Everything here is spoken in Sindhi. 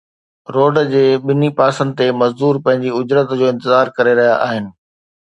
روڊ جي ٻنهي پاسن تي مزدور پنهنجي اجرت جو انتظار ڪري رهيا آهن